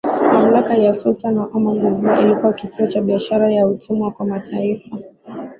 mamlaka ya Sultan wa Oman Zanzibar ilikuwa kituo cha biashara ya utumwa kwa mataifa